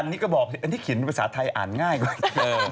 อันนี้ก็บอกอันที่เขียนภาษาไทยอ่านง่ายกว่า